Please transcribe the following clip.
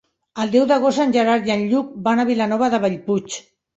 El deu d'agost en Gerard i en Lluc van a Vilanova de Bellpuig.